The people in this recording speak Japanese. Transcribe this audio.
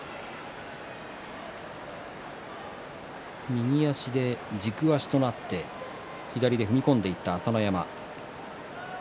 右足で軸足となって左で踏み込んでいった朝乃山。